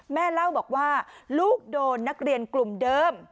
แม่เล่าบอกว่าลูกโดนนักเรียนกลุ่มเดิม